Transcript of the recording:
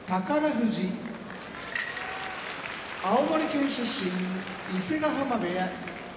富士青森県出身伊勢ヶ濱部屋